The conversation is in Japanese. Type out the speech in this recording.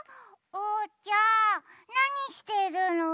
おうちゃんなにしてるの？